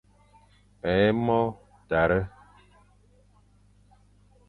Ê mo tare.